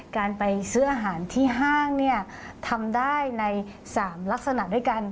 การไปซื้ออาหารที่ห้างเนี่ยทำได้ใน๓ลักษณะด้วยกัน